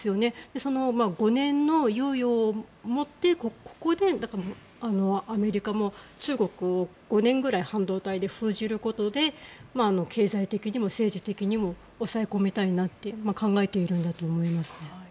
その５年の猶予を持ってここでアメリカも中国を５年ぐらい半導体で封じることで経済的にも政治的にも抑え込みたいなって考えているんだと思います。